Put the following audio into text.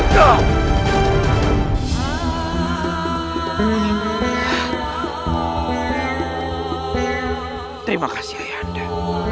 terima kasih ayahanda